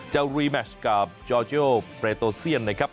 จะรีแมชกับจอร์โจโยเพรโตเซียนนะครับ